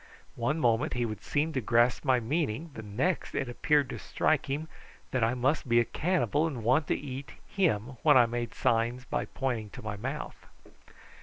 One moment he would seem to grasp my meaning, the next it appeared to strike him that I must be a cannibal and want to eat him when I made signs by pointing to my mouth.